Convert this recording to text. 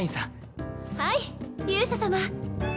はい勇者様。